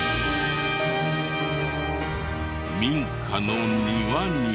民家の庭に。